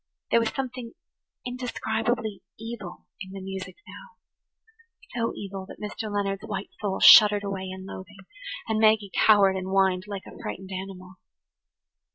There was something indescribably evil in the music now–so evil that Mr. Leonard's white soul shuddered away in loathing, and Maggie cowered and whined like a frightened animal.